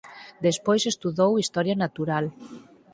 Despois estudou historia natural.